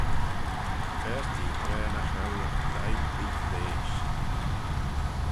Phaart ee tra nagh row ee agh daeed blein d'eash.